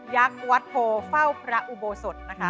ยักษ์วัดโผเฝ้าพระอุโบสถ